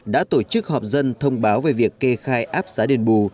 đã tổ chức họp dân thông báo về việc kê khai áp giá đền bù